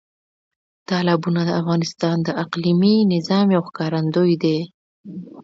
تالابونه د افغانستان د اقلیمي نظام یو ښکارندوی دی.